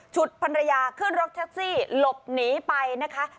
ภรรยาขึ้นรถแท็กซี่หลบหนีไปนะคะ